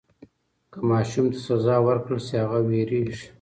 که ماشوم ته سزا ورکړل سي هغه وېرېږي.